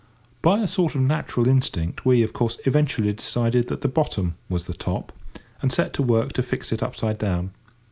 By a sort of natural instinct, we, of course, eventually decided that the bottom was the top, and set to work to fix it upside down.